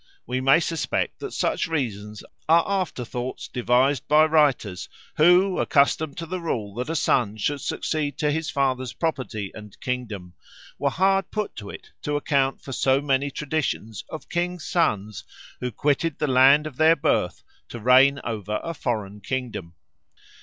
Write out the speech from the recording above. We may suspect that such reasons are afterthoughts devised by writers, who, accustomed to the rule that a son should succeed to his father's property and kingdom, were hard put to it to account for so many traditions of kings' sons who quitted the land of their birth to reign over a foreign kingdom.